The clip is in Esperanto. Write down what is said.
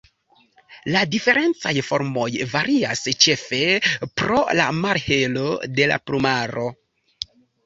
La diferencaj formoj varias ĉefe pro la malhelo de la plumaro.